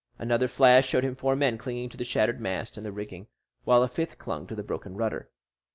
Another flash showed him four men clinging to the shattered mast and the rigging, while a fifth clung to the broken rudder.